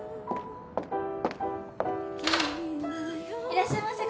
いらっしゃいませ。